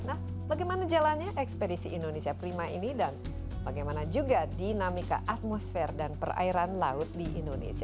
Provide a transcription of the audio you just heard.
nah bagaimana jalannya ekspedisi indonesia prima ini dan bagaimana juga dinamika atmosfer dan perairan laut di indonesia